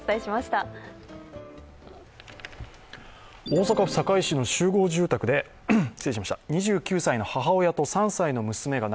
大阪府堺市の集合住宅で２９歳の母親と３歳の娘が